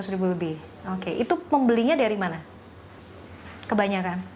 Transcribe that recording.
rp tiga ratus lebih oke itu pembelinya dari mana kebanyakan